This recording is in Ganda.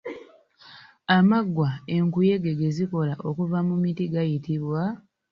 Amaggwa enkuyege ge zikola okuva mu miti gayitibwa?